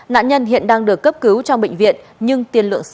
nạn nhân hiện đang được cấp cứu trong bệnh viện nhưng tiền lượng xấu